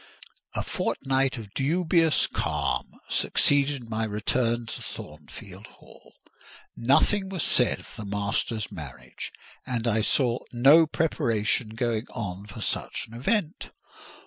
A fortnight of dubious calm succeeded my return to Thornfield Hall. Nothing was said of the master's marriage, and I saw no preparation going on for such an event.